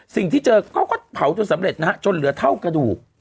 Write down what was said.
สิ่งที่เจอเขาก็เผาจนสำเร็จนะฮะจนเหลือเท่ากระดูก